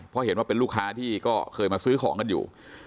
เพราะเห็นว่าเป็นลูกค้าที่ก็เคยมาซื้อของกันอยู่